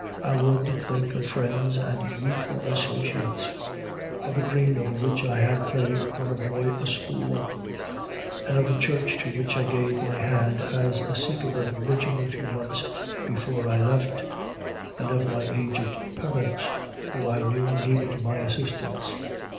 I would think of friends and youthful associates of the green over which I had played when a boy a school and of the church to which I gave my hand as a seeker of religion a few months before I left; and of my aged parents, who I knew needed my assistance.